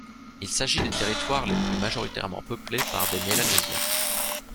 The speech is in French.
Il s'agit des territoires les plus majoritairement peuplés par des Mélanésiens.